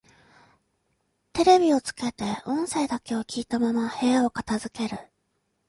テレビをつけて音声だけを聞いたまま部屋を片づける